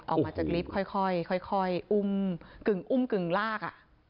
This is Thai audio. ออกมาจากลิฟต์ค่อยอุ้มกึ่งลาก